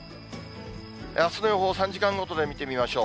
あすの予報、３時間ごとで見てみましょう。